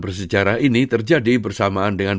bersejarah ini terjadi bersamaan dengan